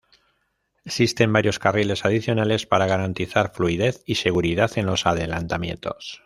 Existen varios carriles adicionales para garantizar fluidez y seguridad en los adelantamientos.